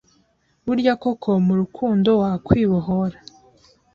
burya koko murukundo wakwibohora